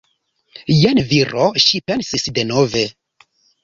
Jen viro, ŝi pensis denove.